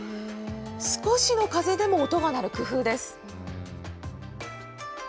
少しの風でも音が鳴る工夫です。